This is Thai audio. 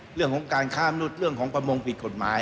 เรื่องของการค้ามนุษย์เรื่องของประมงผิดกฎหมาย